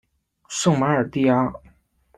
圣马尔蒂阿。